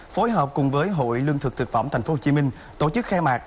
phối hợp cùng với hội lương thực thực phẩm tp hcm tổ chức khai mạc